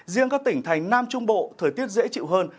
riêng các tỉnh thành nam trung bộ thời tiết dễ chịu hơn